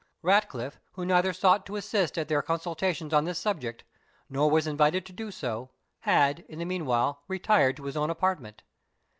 Ratcliffe, who neither sought to assist at their consultations on this subject, nor was invited to do so, had, in the meanwhile, retired to his own apartment.